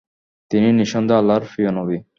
তিনি নিঃসন্দেহে আল্লাহর প্রিয়নবী।